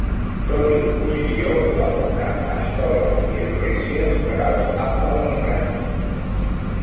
Tot i l'oposició, va fundar escoles i esglésies per als afroamericans.